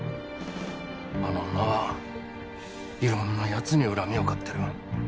あの女はいろんなやつに恨みを買ってる。